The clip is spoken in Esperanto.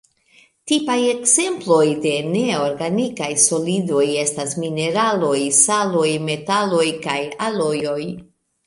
Tipaj ekzemploj de neorganikaj solidoj estas mineraloj, saloj, metaloj kaj alojoj.